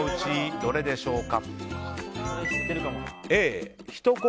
どれでしょうか。